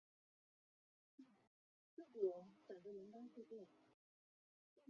而由美国信托业研发的不动产投资信托成为了现今全球信托业的主要业务。